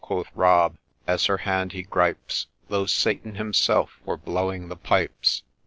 'quoth Rob, as her hand he gripes, ' Though Satan himself were blowing the pipes